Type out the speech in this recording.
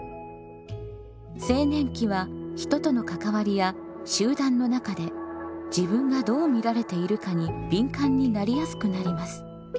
青年期は人との関わりや集団の中で自分がどう見られているかに敏感になりやすくなります。